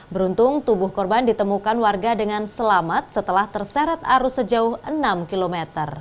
beruntung tubuh korban ditemukan warga dengan selamat setelah terseret arus sejauh enam km